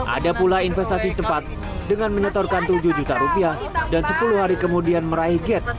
ada pula investasi cepat dengan menyetorkan tujuh juta rupiah dan sepuluh hari kemudian meraih gate